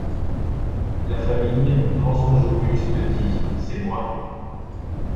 La famille, mensonge auguste, dit : C’est moi !